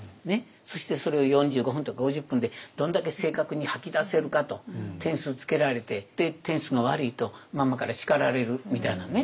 そしてそれを４５分とか５０分でどんだけ正確に吐き出せるかと点数つけられてで点数が悪いとママから叱られるみたいなね。